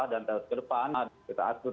dan dari ke depan kita asur